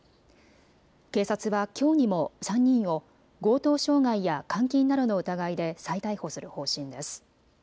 警察はきょうにも３人を強盗傷害や監禁などの疑いで再逮捕する方針です。